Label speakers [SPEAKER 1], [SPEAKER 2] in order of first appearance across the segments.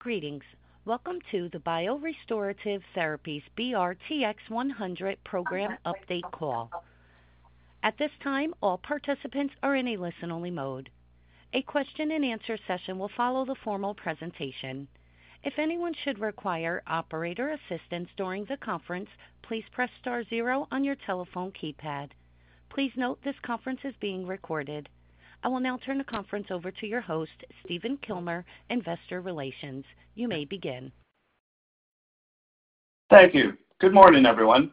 [SPEAKER 1] Greetings. Welcome to the BioRestorative Therapies BRTX-100 Program Update Call. At this time, all participants are in a listen-only mode. A question-and-answer session will follow the formal presentation. If anyone should require operator assistance during the conference, please press star zero on your telephone keypad. Please note this conference is being recorded. I will now turn the conference over to your host, Stephen Kilmer, Investor Relations. You may begin.
[SPEAKER 2] Thank you. Good morning, everyone.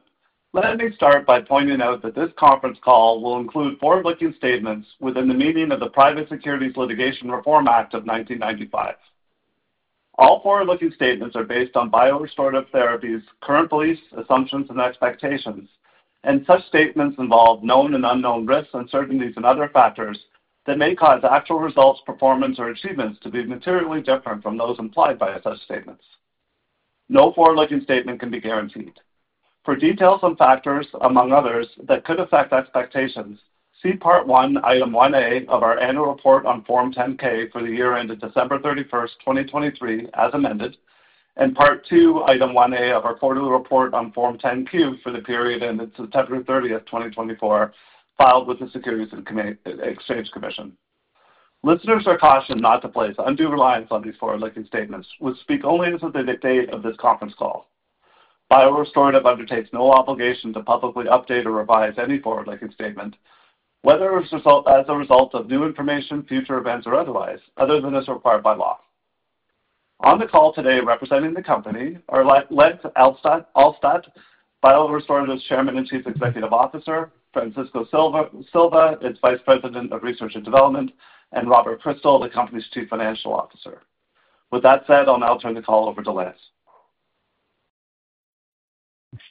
[SPEAKER 2] Let me start by pointing out that this conference call will include forward-looking statements within the meaning of the Private Securities Litigation Reform Act of 1995. All forward-looking statements are based on BioRestorative Therapies' current beliefs, assumptions, and expectations, and such statements involve known and unknown risks, uncertainties, and other factors that may cause actual results, performance, or achievements to be materially different from those implied by such statements. No forward-looking statement can be guaranteed. For details on factors, among others, that could affect expectations, see Part I, Item 1A of our Annual Report on Form 10-K for the year ended December 31, 2023, as amended, and Part II, Item 1A of our Quarterly Report on Form 10-Q for the period ended September 30, 2024, filed with the Securities and Exchange Commission. Listeners are cautioned not to place undue reliance on these forward-looking statements. We speak only as of the date of this conference call. BioRestorative undertakes no obligation to publicly update or revise any forward-looking statement, whether as a result of new information, future events, or otherwise, other than as required by law. On the call today, representing the company, are Lance Alstodt, BioRestorative's Chairman and Chief Executive Officer, Francisco Silva, its Vice President of Research and Development, and Robert Kristal, the company's Chief Financial Officer. With that said, I'll now turn the call over to Lance.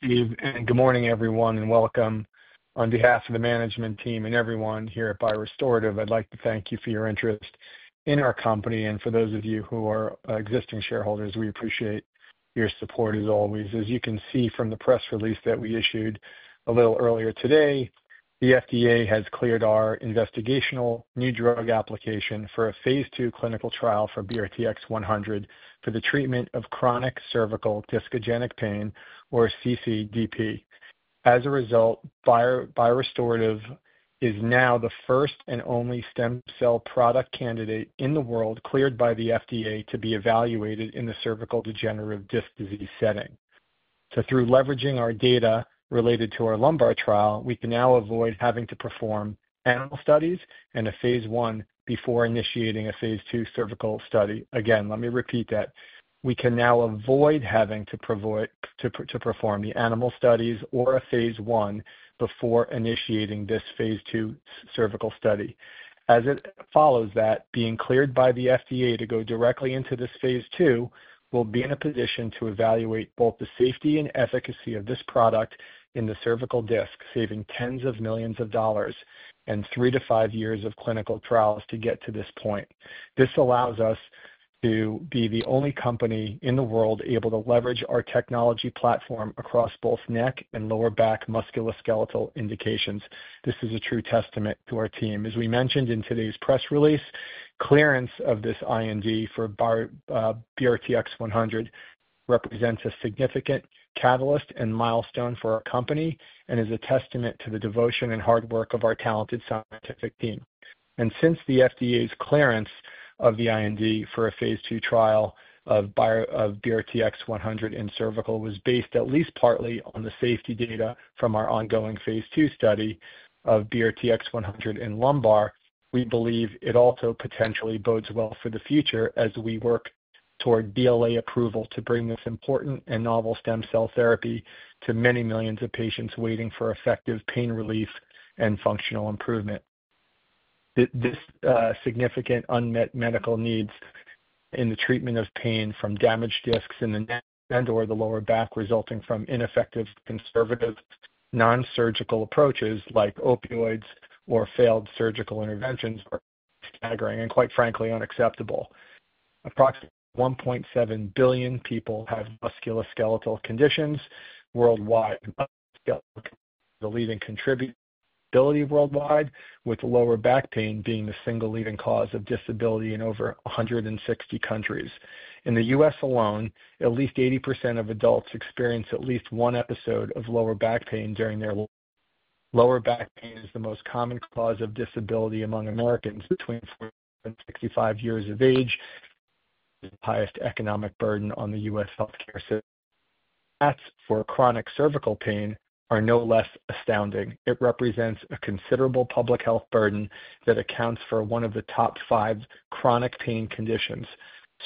[SPEAKER 3] Good morning, everyone, and welcome. On behalf of the management team and everyone here at BioRestorative, I'd like to thank you for your interest in our company. For those of you who are existing shareholders, we appreciate your support, as always. As you can see from the press release that we issued a little earlier today, the FDA has cleared our investigational new drug application for a phase II clinical trial for BRTX-100 for the treatment of chronic cervical discogenic pain, or CCDP. As a result, BioRestorative is now the first and only stem cell product candidate in the world cleared by the FDA to be evaluated in the cervical degenerative disc disease setting. Through leveraging our data related to our lumbar trial, we can now avoid having to perform animal studies and a phase I before initiating a phase II cervical study. Again, let me repeat that. We can now avoid having to perform the animal studies or a phase I before initiating this phase II cervical study. As it follows that, being cleared by the FDA to go directly into this phase II, we'll be in a position to evaluate both the safety and efficacy of this product in the cervical disc, saving tens of millions of dollars and three to five years of clinical trials to get to this point. This allows us to be the only company in the world able to leverage our technology platform across both neck and lower back musculoskeletal indications. This is a true testament to our team. As we mentioned in today's press release, clearance of this IND for BRTX-100 represents a significant catalyst and milestone for our company and is a testament to the devotion and hard work of our talented scientific team. Since the FDA's clearance of the IND for a phase II trial of BRTX-100 in cervical was based at least partly on the safety data from our ongoing phase II study of BRTX-100 in lumbar, we believe it also potentially bodes well for the future as we work toward BLA approval to bring this important and novel stem cell therapy to many millions of patients waiting for effective pain relief and functional improvement. The significant unmet medical needs in the treatment of pain from damaged discs in the neck and/or the lower back resulting from ineffective conservative nonsurgical approaches like opioids or failed surgical interventions are staggering and, quite frankly, unacceptable. Approximately 1.7 billion people have musculoskeletal conditions worldwide. Musculoskeletal conditions are the leading contributor to disability worldwide, with lower back pain being the single leading cause of disability in over 160 countries. In the U.S. alone, at least 80% of adults experience at least one episode of lower back pain during their life. Lower back pain is the most common cause of disability among Americans between 45 and 65 years of age, the highest economic burden on the U.S. healthcare system. Stats for chronic cervical pain are no less astounding. It represents a considerable public health burden that accounts for one of the top five chronic pain conditions.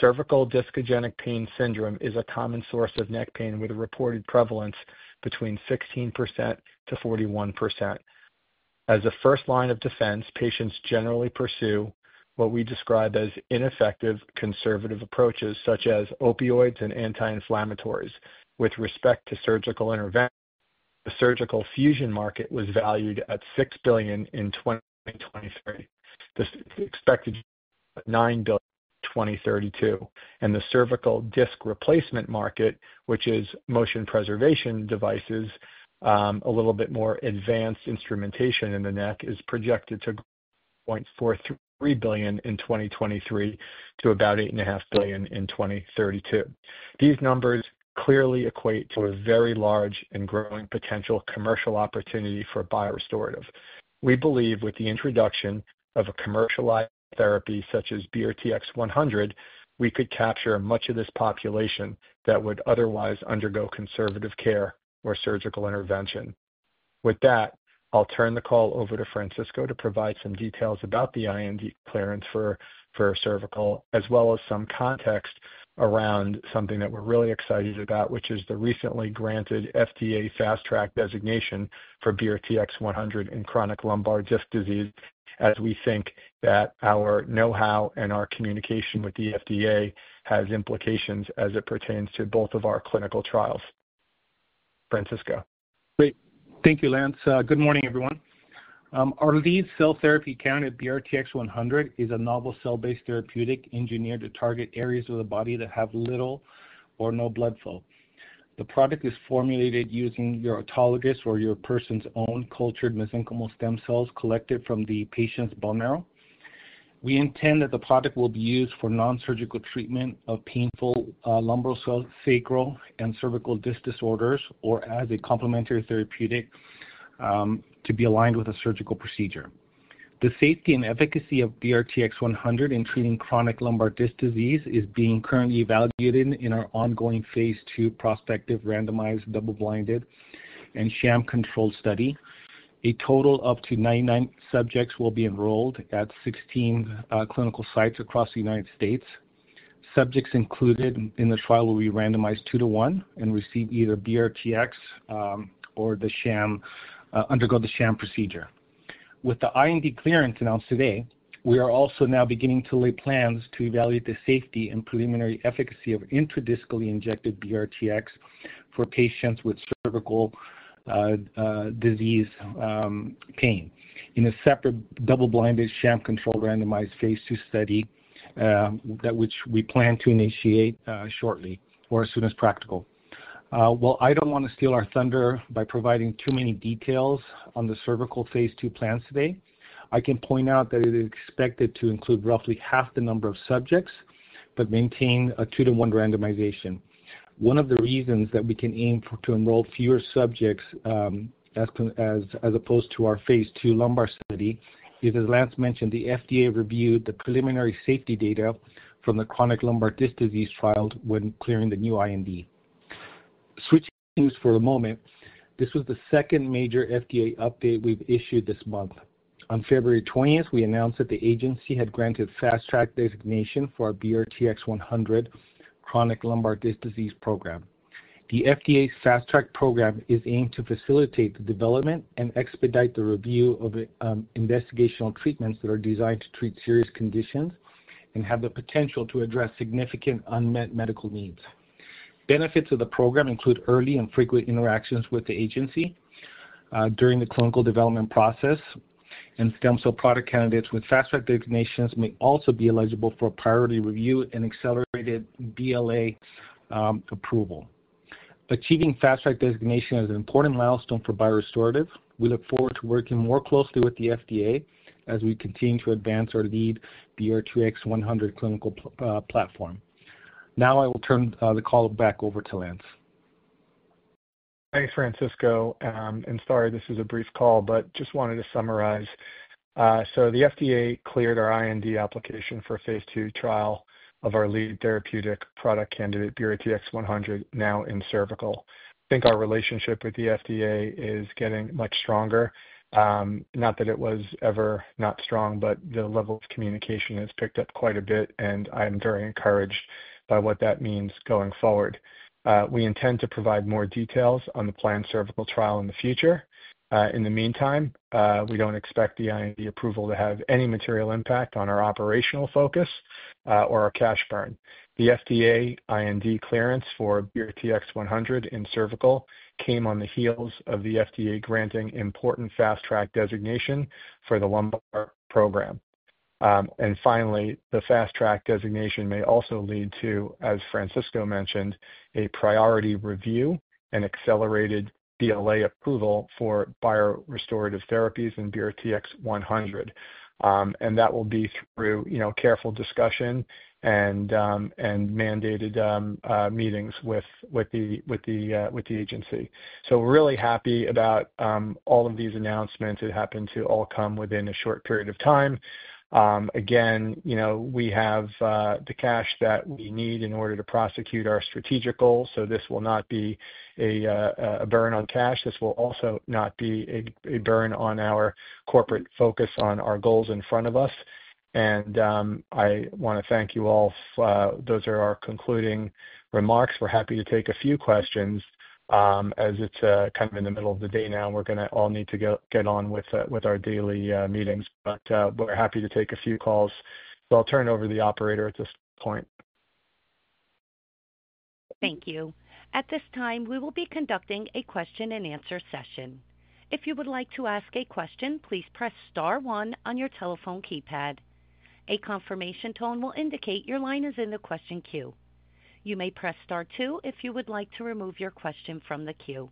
[SPEAKER 3] Cervical discogenic pain syndrome is a common source of neck pain with a reported prevalence between 16%-41%. As a first line of defense, patients generally pursue what we describe as ineffective conservative approaches, such as opioids and anti-inflammatories. With respect to surgical intervention, the surgical fusion market was valued at $6 billion in 2023. The expected $9 billion in 2032. The cervical disc replacement market, which is motion preservation devices, a little bit more advanced instrumentation in the neck, is projected to grow to $430 million in 2023 to about $8.5 billion in 2032. These numbers clearly equate to a very large and growing potential commercial opportunity for BioRestorative. We believe with the introduction of a commercialized therapy such as BRTX-100, we could capture much of this population that would otherwise undergo conservative care or surgical intervention. With that, I'll turn the call over to Francisco to provide some details about the IND clearance for cervical, as well as some context around something that we're really excited about, which is the recently granted FDA Fast Track designation for BRTX-100 in chronic lumbar disc disease, as we think that our know-how and our communication with the FDA has implications as it pertains to both of our clinical trials. Francisco.
[SPEAKER 4] Great. Thank you, Lance. Good morning, everyone. Our lead cell therapy candidate, BRTX-100, is a novel cell-based therapeutic engineered to target areas of the body that have little or no blood flow. The product is formulated using your autologous or your person's own cultured mesenchymal stem cells collected from the patient's bone marrow. We intend that the product will be used for nonsurgical treatment of painful lumbosacral and cervical disc disorders or as a complementary therapeutic to be aligned with a surgical procedure. The safety and efficacy of BRTX-100 in treating chronic lumbar disc disease is being currently evaluated in our ongoing phase II prospective randomized double-blinded and sham-controlled study. A total of up to 99 subjects will be enrolled at 16 clinical sites across the United States. Subjects included in the trial will be randomized two-to-one and receive either BRTX-100 or undergo the sham procedure. With the IND clearance announced today, we are also now beginning to lay plans to evaluate the safety and preliminary efficacy of intradiscally injected BRTX-100 for patients with cervical disease pain in a separate double-blinded sham-controlled randomized phase II study, which we plan to initiate shortly or as soon as practical. I do not want to steal our thunder by providing too many details on the cervical phase II plans today. I can point out that it is expected to include roughly half the number of subjects but maintain a two-to-one randomization. One of the reasons that we can aim to enroll fewer subjects as opposed to our phase II lumbar study is, as Lance mentioned, the FDA reviewed the preliminary safety data from the chronic lumbar disc disease trial when clearing the new IND. Switching gears for a moment, this was the second major FDA update we've issued this month. On February 20th, we announced that the agency had granted Fast Track designation for our BRTX-100 chronic lumbar disc disease program. The FDA's Fast Track program is aimed to facilitate the development and expedite the review of investigational treatments that are designed to treat serious conditions and have the potential to address significant unmet medical needs. Benefits of the program include early and frequent interactions with the agency during the clinical development process, and stem cell product candidates with Fast Track designations may also be eligible for priority review and accelerated BLA approval. Achieving Fast Track designation is an important milestone for BioRestorative. We look forward to working more closely with the FDA as we continue to advance our lead BRTX-100 clinical platform. Now I will turn the call back over to Lance.
[SPEAKER 3] Thanks, Francisco. Sorry, this is a brief call, but just wanted to summarize. The FDA cleared our IND application for a phase II trial of our lead therapeutic product candidate, BRTX-100, now in cervical. I think our relationship with the FDA is getting much stronger. Not that it was ever not strong, but the level of communication has picked up quite a bit, and I am very encouraged by what that means going forward. We intend to provide more details on the planned cervical trial in the future. In the meantime, we do not expect the IND approval to have any material impact on our operational focus or our cash burn. The FDA IND clearance for BRTX-100 in cervical came on the heels of the FDA granting important Fast Track designation for the lumbar program. Finally, the Fast Track designation may also lead to, as Francisco mentioned, a priority review and accelerated BLA approval for BioRestorative Therapies and BRTX-100. That will be through careful discussion and mandated meetings with the agency. We are really happy about all of these announcements. It happened to all come within a short period of time. Again, we have the cash that we need in order to prosecute our strategic goals. This will not be a burn on cash. This will also not be a burn on our corporate focus on our goals in front of us. I want to thank you all. Those are our concluding remarks. We are happy to take a few questions as it is kind of in the middle of the day now. We are going to all need to get on with our daily meetings. We are happy to take a few calls. I'll turn it over to the operator at this point.
[SPEAKER 1] Thank you. At this time, we will be conducting a question-and-answer session. If you would like to ask a question, please press Star 1 on your telephone keypad. A confirmation tone will indicate your line is in the question queue. You may press Star 2 if you would like to remove your question from the queue.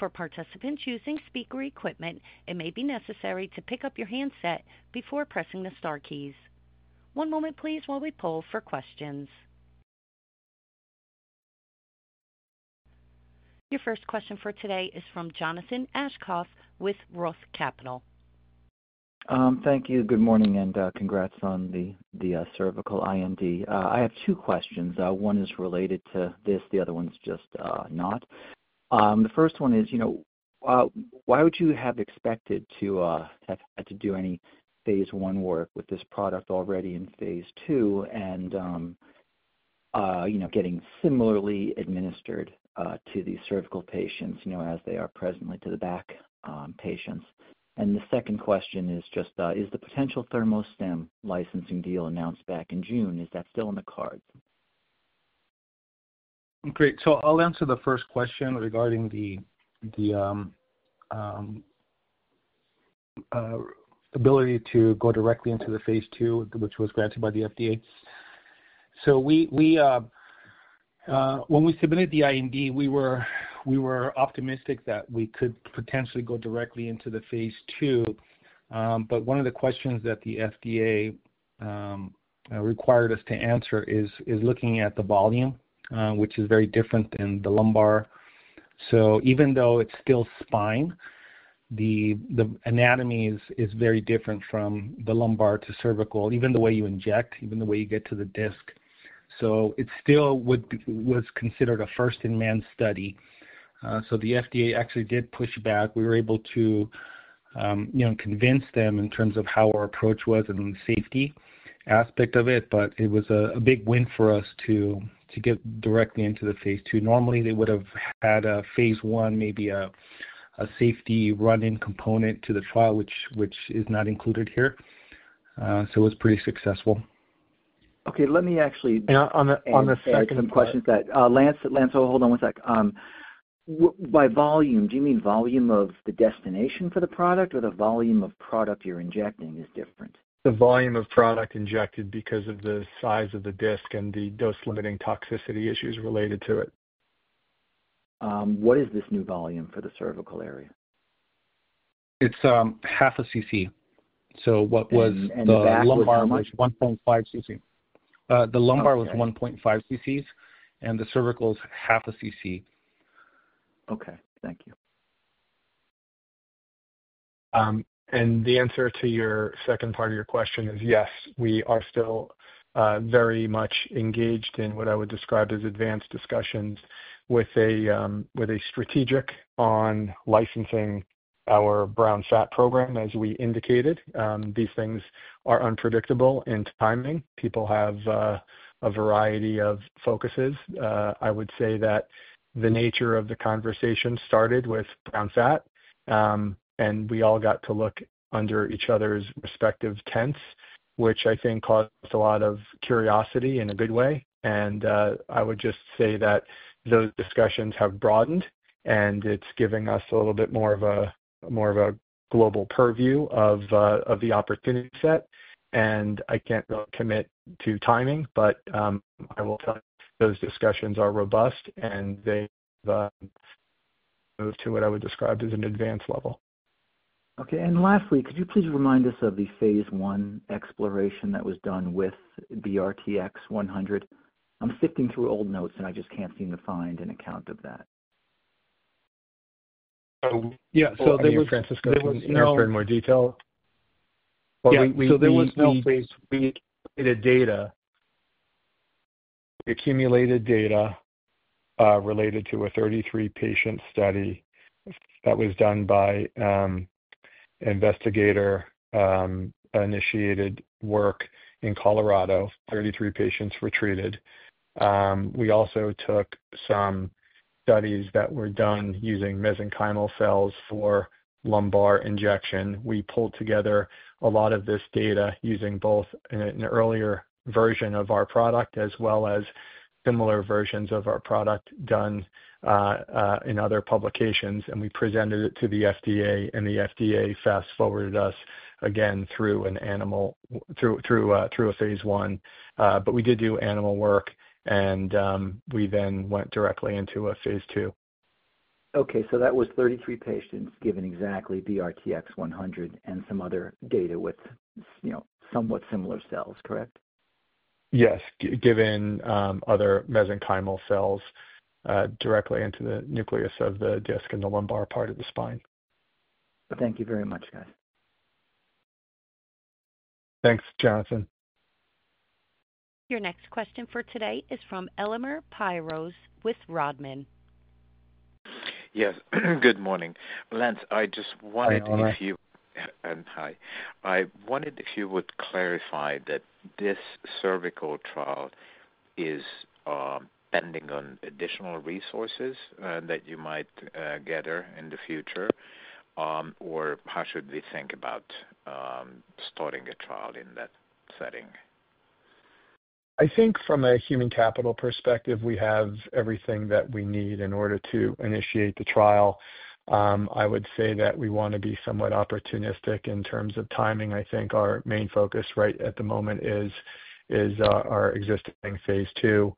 [SPEAKER 1] For participants using speaker equipment, it may be necessary to pick up your handset before pressing the Star keys. One moment, please, while we poll for questions. Your first question for today is from Jonathan Aschoff with Roth Capital.
[SPEAKER 5] Thank you. Good morning and congrats on the cervical IND. I have two questions. One is related to this. The other one's just not. The first one is, why would you have expected to have had to do any phase I work with this product already in phase II and getting similarly administered to these cervical patients as they are presently to the back patients? The second question is just, is the potential ThermoStem licensing deal announced back in June, is that still in the cards?
[SPEAKER 3] Great. I'll answer the first question regarding the ability to go directly into the phase II, which was granted by the FDA. When we submitted the IND, we were optimistic that we could potentially go directly into the phase II. One of the questions that the FDA required us to answer is looking at the volume, which is very different than the lumbar. Even though it's still spine, the anatomy is very different from the lumbar to cervical, even the way you inject, even the way you get to the disc. It still was considered a first-in-man study. The FDA actually did push back. We were able to convince them in terms of how our approach was and the safety aspect of it, but it was a big win for us to get directly into the phase II. Normally, they would have had a phase I, maybe a safety run-in component to the trial, which is not included here. It was pretty successful.
[SPEAKER 5] Okay. Let me actually.
[SPEAKER 3] On the second question.
[SPEAKER 5] Second question. Lance, hold on one sec. By volume, do you mean volume of the destination for the product or the volume of product you're injecting is different?
[SPEAKER 3] The volume of product injected because of the size of the disc and the dose-limiting toxicity issues related to it.
[SPEAKER 5] What is this new volume for the cervical area?
[SPEAKER 3] It's half a cc. What was the lumbar.
[SPEAKER 5] The back, how much?
[SPEAKER 3] Was 1.5 cc.
[SPEAKER 5] The lumbar was 1.5 ccs, and the cervical is half a cc. Okay. Thank you.
[SPEAKER 3] The answer to your second part of your question is yes. We are still very much engaged in what I would describe as advanced discussions with a strategic on licensing our brown fat program, as we indicated. These things are unpredictable in timing. People have a variety of focuses. I would say that the nature of the conversation started with brown fat, and we all got to look under each other's respective tents, which I think caused a lot of curiosity in a good way. I would just say that those discussions have broadened, and it's giving us a little bit more of a global purview of the opportunity set. I can't really commit to timing, but I will tell you those discussions are robust, and they've moved to what I would describe as an advanced level.
[SPEAKER 5] Okay. Lastly, could you please remind us of the phase I exploration that was done with BRTX-100? I'm sifting through old notes, and I just can't seem to find an account of that.
[SPEAKER 3] Yeah. There was.
[SPEAKER 5] Thank you, Francisco.
[SPEAKER 3] There was.
[SPEAKER 5] Can you explain more detail?
[SPEAKER 3] There was no phase II data accumulated data related to a 33-patient study that was done by investigator-initiated work in Colorado. Thirty-three patients were treated. We also took some studies that were done using mesenchymal cells for lumbar injection. We pulled together a lot of this data using both an earlier version of our product as well as similar versions of our product done in other publications, and we presented it to the FDA, and the FDA fast-forwarded us again through a phase I. We did do animal work, and we then went directly into a phase II.
[SPEAKER 5] Okay. That was 33 patients given exactly BRTX-100 and some other data with somewhat similar cells, correct?
[SPEAKER 3] Yes. Given other mesenchymal cells directly into the nucleus of the disc in the lumbar part of the spine.
[SPEAKER 5] Thank you very much, guys.
[SPEAKER 3] Thanks, Jonathan.
[SPEAKER 1] Your next question for today is from Elemer Piros with Rodman & Renshaw.
[SPEAKER 6] Yes. Good morning. Lance, I just wanted if you.
[SPEAKER 5] Hi.
[SPEAKER 6] Hi. I wondered if you would clarify that this cervical trial is pending on additional resources that you might gather in the future, or how should we think about starting a trial in that setting?
[SPEAKER 3] I think from a human capital perspective, we have everything that we need in order to initiate the trial. I would say that we want to be somewhat opportunistic in terms of timing. I think our main focus right at the moment is our existing phase II.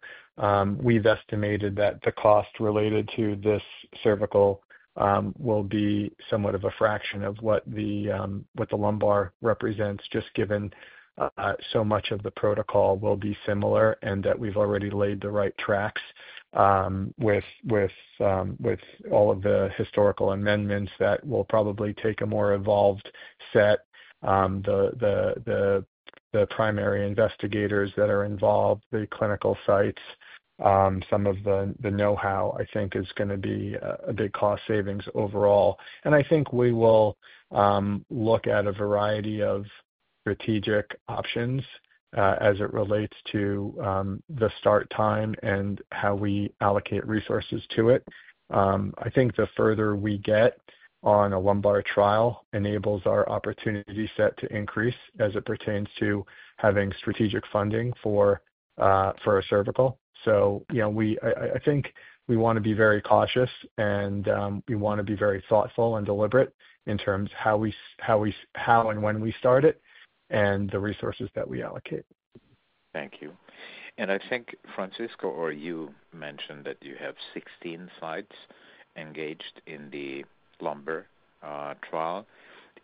[SPEAKER 3] We've estimated that the cost related to this cervical will be somewhat of a fraction of what the lumbar represents just given so much of the protocol will be similar and that we've already laid the right tracks with all of the historical amendments that will probably take a more evolved set. The primary investigators that are involved, the clinical sites, some of the know-how, I think, is going to be a big cost savings overall. I think we will look at a variety of strategic options as it relates to the start time and how we allocate resources to it. I think the further we get on a lumbar trial enables our opportunity set to increase as it pertains to having strategic funding for a cervical. I think we want to be very cautious, and we want to be very thoughtful and deliberate in terms of how and when we start it and the resources that we allocate.
[SPEAKER 6] Thank you. I think Francisco or you mentioned that you have 16 sites engaged in the lumbar trial.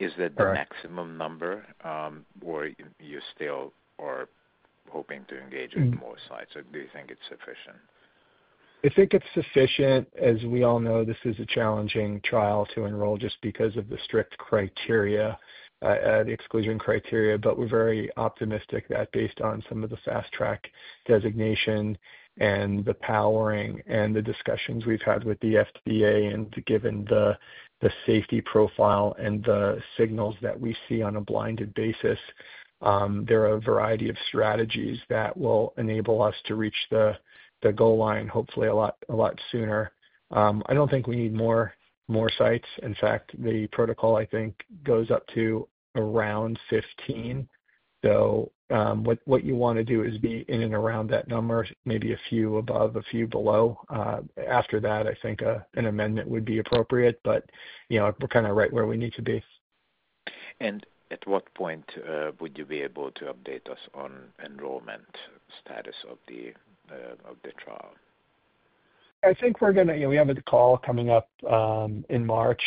[SPEAKER 6] Is that the maximum number, or you still are hoping to engage with more sites? Do you think it's sufficient?
[SPEAKER 3] I think it's sufficient. As we all know, this is a challenging trial to enroll just because of the strict criteria, the exclusion criteria. We are very optimistic that based on some of the Fast Track designation and the powering and the discussions we've had with the FDA and given the safety profile and the signals that we see on a blinded basis, there are a variety of strategies that will enable us to reach the goal line hopefully a lot sooner. I don't think we need more sites. In fact, the protocol, I think, goes up to around 15. What you want to do is be in and around that number, maybe a few above, a few below. After that, I think an amendment would be appropriate, but we're kind of right where we need to be.
[SPEAKER 6] At what point would you be able to update us on enrollment status of the trial?
[SPEAKER 3] I think we're going to have a call coming up in March.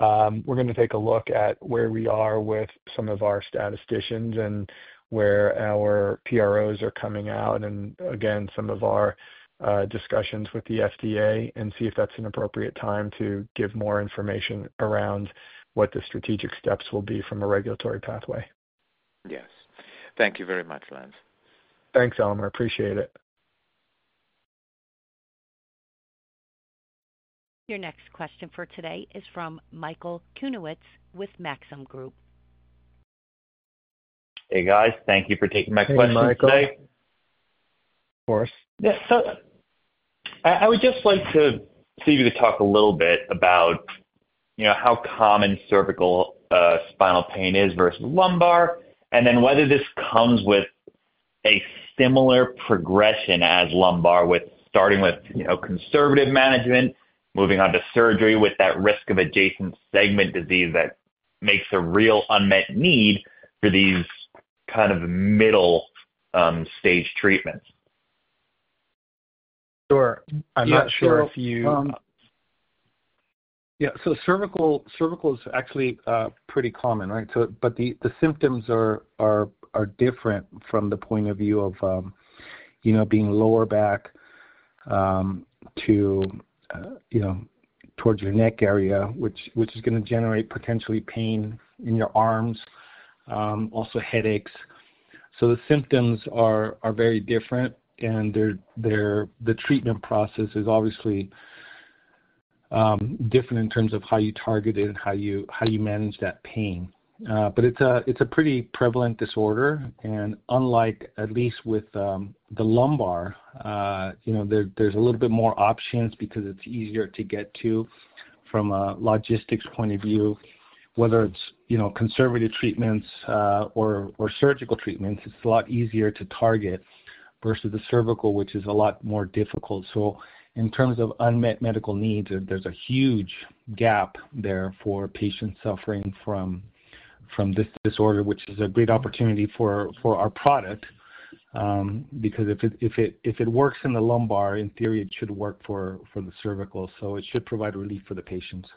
[SPEAKER 3] We're going to take a look at where we are with some of our statisticians and where our PROs are coming out and, again, some of our discussions with the FDA and see if that's an appropriate time to give more information around what the strategic steps will be from a regulatory pathway.
[SPEAKER 6] Yes. Thank you very much, Lance.
[SPEAKER 3] Thanks, Elemer. Appreciate it.
[SPEAKER 1] Your next question for today is from Michael Okunewitch with Maxim Group.
[SPEAKER 7] Hey, guys. Thank you for taking my questions today.
[SPEAKER 4] Hey, Michael.
[SPEAKER 3] Of course.
[SPEAKER 7] Yeah. I would just like to see you to talk a little bit about how common cervical spinal pain is versus lumbar and then whether this comes with a similar progression as lumbar with starting with conservative management, moving on to surgery with that risk of adjacent segment disease that makes a real unmet need for these kind of middle-stage treatments.
[SPEAKER 3] Sure. I'm not sure if you.
[SPEAKER 4] Yeah. Cervical is actually pretty common, right? The symptoms are different from the point of view of being lower back to towards your neck area, which is going to generate potentially pain in your arms, also headaches. The symptoms are very different, and the treatment process is obviously different in terms of how you target it and how you manage that pain. It is a pretty prevalent disorder. Unlike, at least with the lumbar, there are a little bit more options because it is easier to get to from a logistics point of view, whether it is conservative treatments or surgical treatments. It is a lot easier to target versus the cervical, which is a lot more difficult. In terms of unmet medical needs, there's a huge gap there for patients suffering from this disorder, which is a great opportunity for our product because if it works in the lumbar, in theory, it should work for the cervical. It should provide relief for the patients.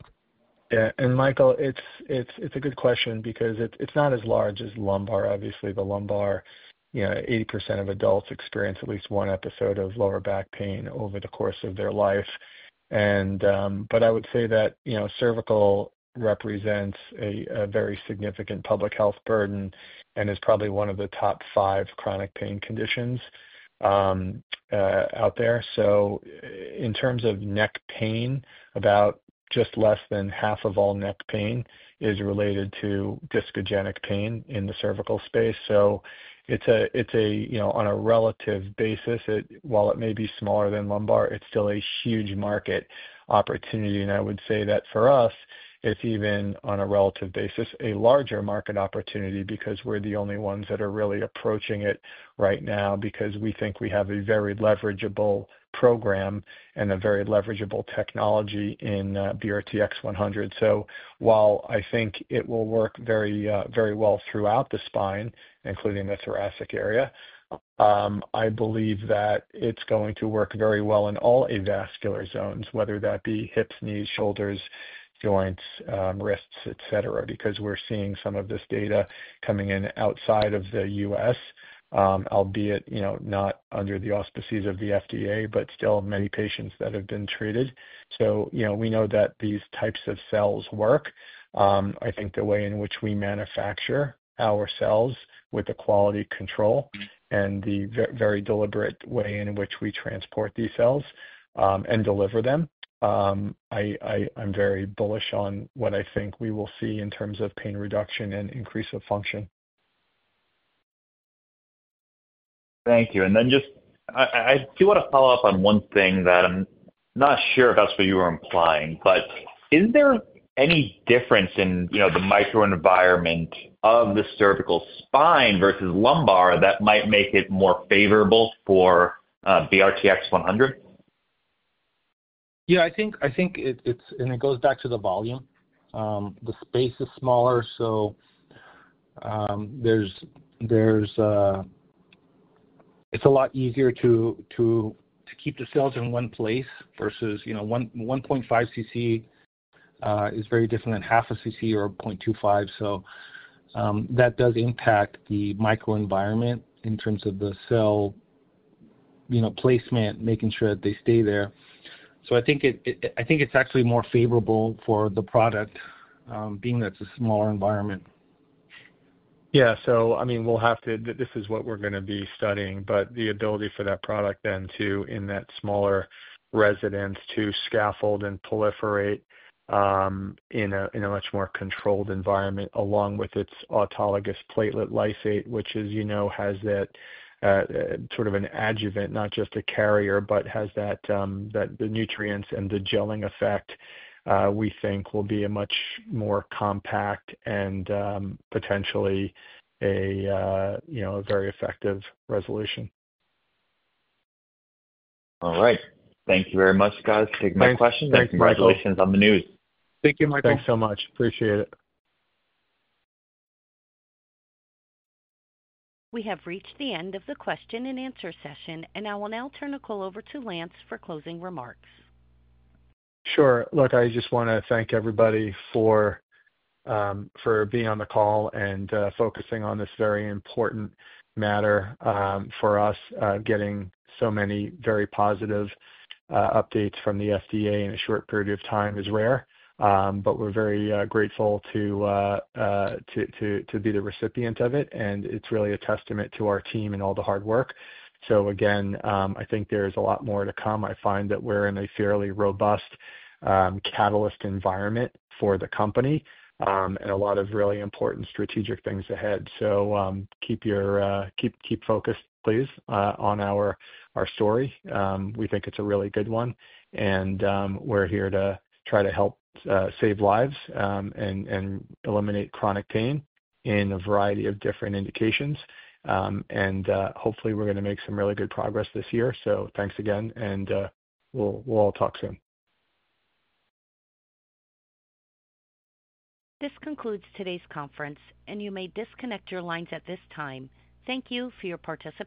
[SPEAKER 3] Yeah. Michael, it's a good question because it's not as large as lumbar. Obviously, the lumbar, 80% of adults experience at least one episode of lower back pain over the course of their life. I would say that cervical represents a very significant public health burden and is probably one of the top five chronic pain conditions out there. In terms of neck pain, just less than half of all neck pain is related to discogenic pain in the cervical space. On a relative basis, while it may be smaller than lumbar, it's still a huge market opportunity. I would say that for us, it's even on a relative basis, a larger market opportunity because we're the only ones that are really approaching it right now because we think we have a very leverageable program and a very leverageable technology in BRTX-100. While I think it will work very well throughout the spine, including the thoracic area, I believe that it's going to work very well in all avascular zones, whether that be hips, knees, shoulders, joints, wrists, etc., because we're seeing some of this data coming in outside of the U.S., albeit not under the auspices of the FDA, but still many patients that have been treated. We know that these types of cells work. I think the way in which we manufacture our cells with the quality control and the very deliberate way in which we transport these cells and deliver them, I'm very bullish on what I think we will see in terms of pain reduction and increase of function.
[SPEAKER 7] Thank you. I do want to follow up on one thing that I'm not sure if that's what you were implying, but is there any difference in the microenvironment of the cervical spine versus lumbar that might make it more favorable for BRTX-100?
[SPEAKER 3] Yeah. I think it's, and it goes back to the volume. The space is smaller, so it's a lot easier to keep the cells in one place versus 1.5 cc is very different than half a cc or 0.25. That does impact the microenvironment in terms of the cell placement, making sure that they stay there. I think it's actually more favorable for the product being that it's a smaller environment. Yeah. I mean, we'll have to, this is what we're going to be studying, but the ability for that product then to, in that smaller residence, to scaffold and proliferate in a much more controlled environment along with its autologous platelet lysate, which has that sort of an adjuvant, not just a carrier, but has the nutrients and the gelling effect, we think will be a much more compact and potentially a very effective resolution.
[SPEAKER 7] All right. Thank you very much, guys. Take my questions.
[SPEAKER 3] Thank you, Michael.
[SPEAKER 5] Congratulations on the news.
[SPEAKER 3] Thank you, Michael. Thanks so much. Appreciate it.
[SPEAKER 1] We have reached the end of the question-and-answer session, and I will now turn the call over to Lance for closing remarks.
[SPEAKER 3] Sure. Look, I just want to thank everybody for being on the call and focusing on this very important matter for us. Getting so many very positive updates from the FDA in a short period of time is rare, but we're very grateful to be the recipient of it, and it's really a testament to our team and all the hard work. Again, I think there's a lot more to come. I find that we're in a fairly robust catalyst environment for the company and a lot of really important strategic things ahead. Keep focused, please, on our story. We think it's a really good one, and we're here to try to help save lives and eliminate chronic pain in a variety of different indications. Hopefully, we're going to make some really good progress this year. Thanks again, and we'll all talk soon.
[SPEAKER 1] This concludes today's conference, and you may disconnect your lines at this time. Thank you for your participation.